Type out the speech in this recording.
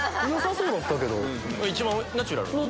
一番ナチュラルなね。